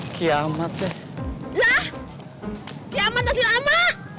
kiamat pasti lama